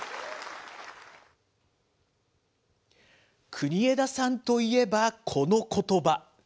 国枝さんといえばこのことば。